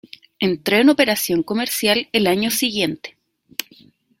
Entró en operación comercial el año siguiente.